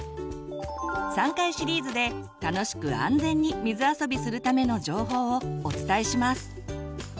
３回シリーズで楽しく安全に水あそびするための情報をお伝えします。